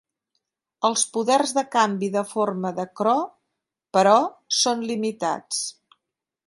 Els poders de canvi de forma de Kro, però, són limitats.